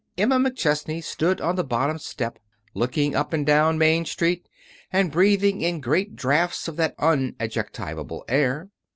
Emma McChesney stood on the bottom step, looking up and down Main Street and breathing in great draughts of that unadjectivable air.